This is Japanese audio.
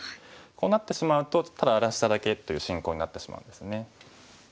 こうなってしまうとただ荒らしただけという進行になってしまうんですね。